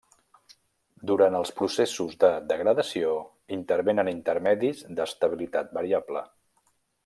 Durant els processos de degradació intervenen intermedis d'estabilitat variable.